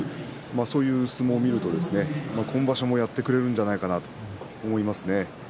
そういう相撲を見ると今場所もやってくれるんじゃないかと思いますね。